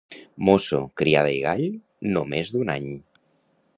Mosso, criada i gall, no més d'un any.